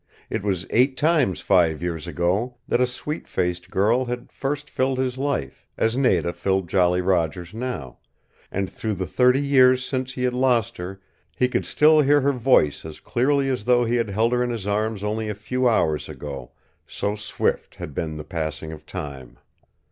It was eight times five years ago that a sweet faced girl had first filled his life, as Nada filled Jolly Roger's now, and through the thirty years since he had lost her he could still hear her voice as clearly as though he had held her in his arms only a few hours ago, so swift had been the passing of time.